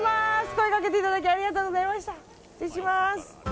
声掛けていただいてありがとうございました。